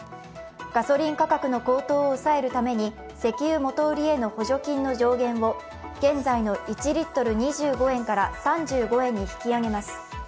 ガソリン価格の高騰を抑えるために石油元売りへの補助金の上限を現在の１リットル２５円から３５円に引き上げます。